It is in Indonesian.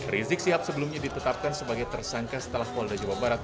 rizik sihab sebelumnya ditetapkan sebagai tersangka setelah polda jawa barat